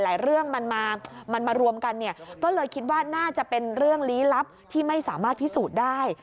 เรื่องมันมารวมกันเนี่ยก็เลยคิดว่าน่าจะเป็นเรื่องลี้ลับที่ไม่สามารถพิสูจน์ได้